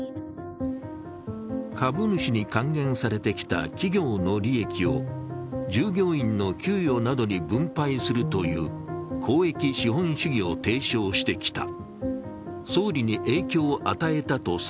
株主に還元されてきた企業の利益を従業員の給与などに分配するという公益資本主義を提唱してきた。